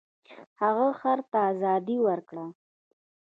هغه خر ته ازادي ورکړه.